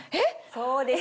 そうです